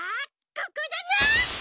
ここだな！